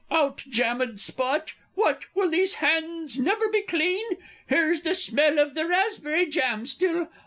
_ Out, jammed spot! What will these hands never be clean? Here's the smell of the raspberry jam still!